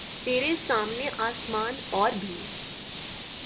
ترے سامنے آسماں اور بھی